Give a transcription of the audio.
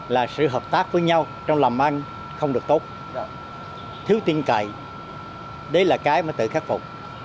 là sự hợp tác với nhau trong làm ăn không được tốt thiếu tin cậy đấy là cái mà tự khắc phục